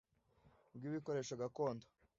bw’ibikoresho gakondo